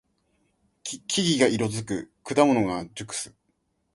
木々が色づく。果物が熟す。